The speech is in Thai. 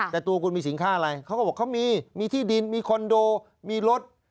แต่ตัวคุณมีสินค้าอะไรเขาก็บอกเขามีมีที่ดินมีคอนโดมีรถ